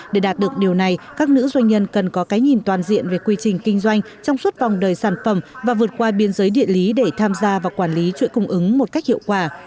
để đạt được điều này các nữ doanh nhân cần có cái nhìn toàn diện về quy trình kinh doanh trong suốt vòng đời sản phẩm và vượt qua biên giới địa lý để tham gia và quản lý chuỗi cung ứng một cách hiệu quả